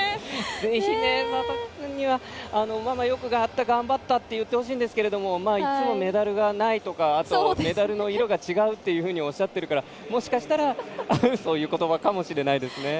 ぜひママよく頑張ったって言ってほしいんですけどもいつもメダルがないとかメダルの色が違うっていうふうにおっしゃっているからもしかしたらそういう言葉かもしれないですね。